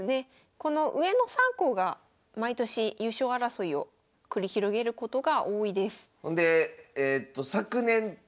この上の３校が毎年優勝争いを繰り広げることが多いです。